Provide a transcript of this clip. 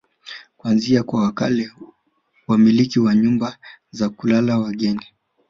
Kuanzia kwa wale wamiliki wa nyumba za kulala wageni